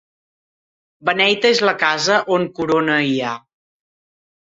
Beneita és la casa on corona hi ha.